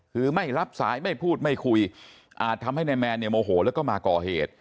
คือไม่รับสายไม่พูดไม่คุยอาจทำให้นายแมนเนี่ยโมโหแล้วก็มาก่อเหตุ